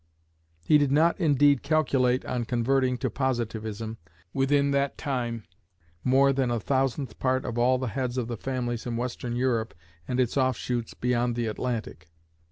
He did not indeed calculate on converting to Positivism, within that time, more than a thousandth part of all the heads of families in Western Europe and its offshoots beyond the Atlantic.